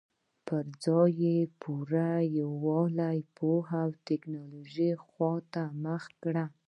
پر ځای یې په پوره یووالي د پوهې او ټکنالوژۍ خواته مخه کړې.